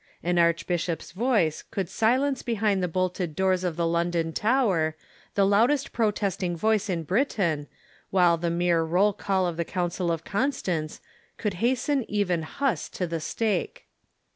An archbishop's voice couhL_^ silence behind the bolted doors of the London Tower the loud est protesting voice in Britain, Avhile the mere roll call of the Council of Constance could hasten even Huss to the stake.